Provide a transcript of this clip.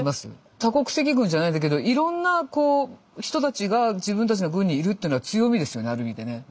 多国籍軍じゃないんだけどいろんな人たちが自分たちの軍にいるっていうのは強みですよねある意味でね。